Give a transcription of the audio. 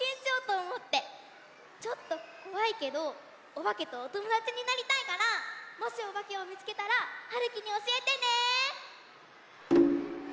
ちょっとこわいけどおばけとおともだちになりたいからもしおばけをみつけたらはるきにおしえてね。